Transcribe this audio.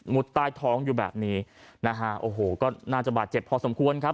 ใต้ท้องอยู่แบบนี้นะฮะโอ้โหก็น่าจะบาดเจ็บพอสมควรครับ